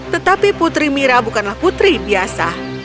tetapi putri mira bukanlah putri biasa